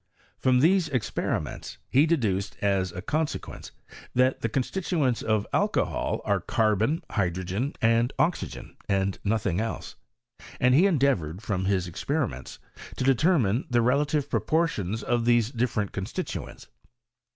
From these experiments he deduced as a. consequence, that the constituents of alcohol are carbon, hydrogen, and oxygen, and nothing else; and he endeavoured from his experiments to deter mine the relative proportions of these different con stituents.